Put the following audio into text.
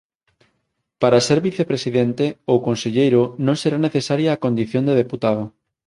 Para ser Vicepresidente ou Conselleiro non será necesaria a condición de Deputado.